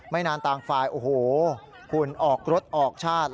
นานต่างฝ่ายโอ้โหคุณออกรถออกชาติ